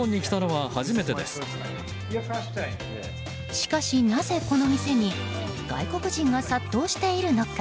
しかし、なぜこの店に外国人が殺到しているのか。